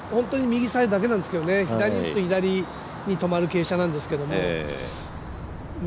本当に右サイドだけなんですけどね、左に打つと左に行く傾斜が止まるんですけど。